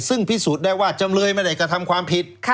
ซึ่งพิสูจน์ได้ว่าจำเลยไม่ได้กระทำความผิด